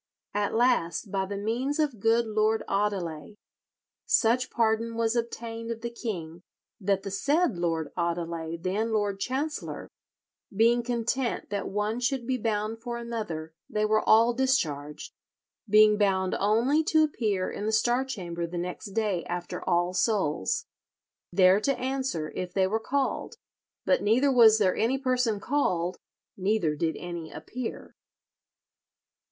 At last, by the means of good Lord Audeley, such pardon was obtained of the king that the said Lord Audeley, then Lord Chancellor, being content that one should be bound for another, they were all discharged, being bound only to appear in the Star Chamber the next day after All Souls, there to answer if they were called; but neither was there any person called, neither did any appear."